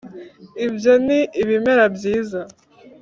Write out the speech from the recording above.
ibyo ni ibimera byiza.